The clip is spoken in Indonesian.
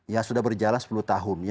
yang sudah berjalan sepuluh tahun